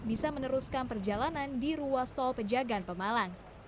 bisa meneruskan perjalanan di ruas tol pejagaan pemalang